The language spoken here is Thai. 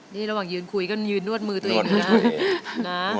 นี่ระหว่างยืนคุยก็ยืนนวดมือตัวเองอยู่นะ